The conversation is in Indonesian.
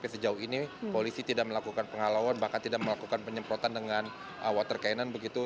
sejauh ini polisi tidak melakukan penghalauan bahkan tidak melakukan penyemprotan dengan water cannon begitu